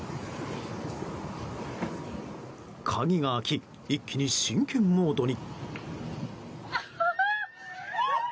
鍵が開き、一気に真剣モードに。